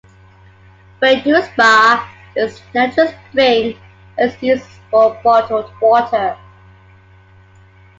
Baekdu Spa is a natural spring and is used for bottled water.